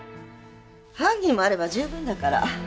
半斤もあれば十分だから。